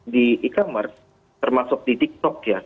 di e commerce termasuk di tiktok ya